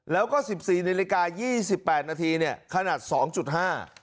แล้วก็สิบสี่นาฬิกายี่สิบแปดนาทีเนี่ยขนาดสองจุดห้า